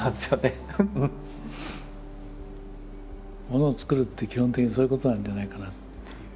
ものを作るって基本的にそういうことなんじゃないかなっていう。